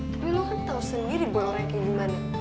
tapi lo kan tau sendiri boy orangnya kayak gimana